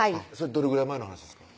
どれぐらい前の話ですか？